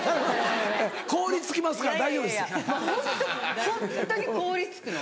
凍り付きますから大丈夫です。